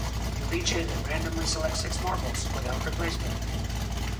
You reach in and randomly select six marbles without replacement.